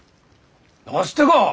なしてか！？